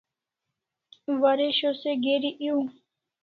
Waresho se geri ew